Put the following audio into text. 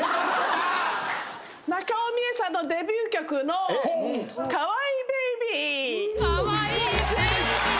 中尾ミエさんのデビュー曲の『可愛いベイビー』正解。